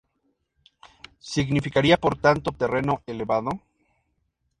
Significaría, por tanto "terreno elevado".